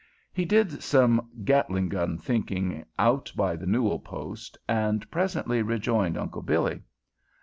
He did some gatling gun thinking out by the newel post, and presently rejoined Uncle Billy.